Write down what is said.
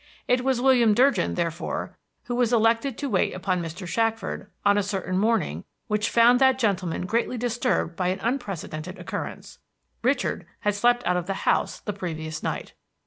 It was William Durgin, therefore, who was elected to wait upon Mr. Shackford on a certain morning which found that gentleman greatly disturbed by an unprecedented occurrence, Richard had slept out of the house the previous night.